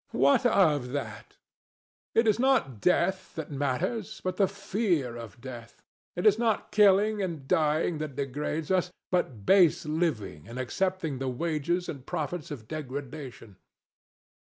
DON JUAN. What of that? It is not death that matters, but the fear of death. It is not killing and dying that degrade us, but base living, and accepting the wages and profits of degradation.